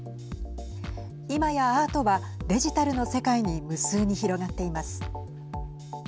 今や、アートはデジタルの世界に無数に広がっています。